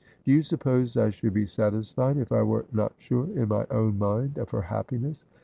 ' Do you suppose I should be satisfied if I were not Sure, in my own mind, of her happiness